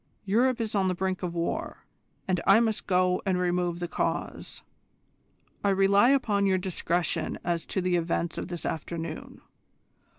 Europe is on the brink of war, and I must go and remove the cause. I rely upon your discretion as to the events of this afternoon.